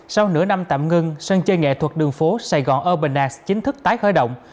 sau nửa năm tạm ngưng sân chơi nghệ thuật đường phố sài gòn urbancs chính thức tái khởi động